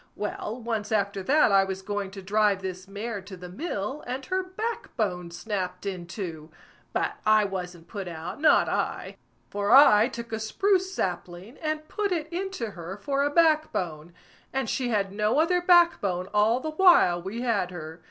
Well, once after that I was going to drive this mare to the mill, and her back bone snapped in two; but I wasn't put out, not I, for I took a spruce sapling, and put it into her for a back bone, and she had no other back bone all the while we had her.